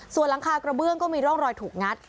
ส่วนหลังคากระเบื้องก็มีร่องรอยถูกงัด